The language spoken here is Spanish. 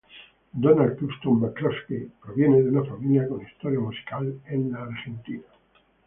Donald Clifton McCluskey proviene de una familia con historia musical en la Argentina.